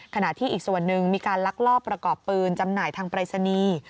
ขณะที่อีกส่วนหนึ่งมีการลักลอบประกอบปืนจำหน่ายทางปรายศนีย์